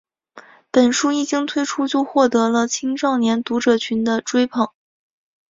本书一经推出就获得了青少年读者群的追捧。